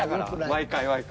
毎回毎回。